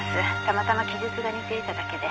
たまたま記述が似ていただけで」